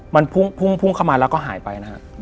มันพุ่งเข้ามาแล้วก็หายไปนะฮะ